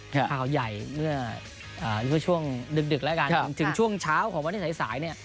ข่าวใหญ่เมื่อช่วงดึกแล้วกันถึงช่วงเช้าของวันที่สายเนี่ย